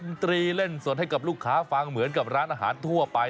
นตรีเล่นสดให้กับลูกค้าฟังเหมือนกับร้านอาหารทั่วไป